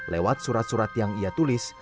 lewat surat surat yang ia tulis